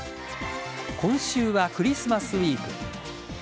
今週はクリスマスウイーク。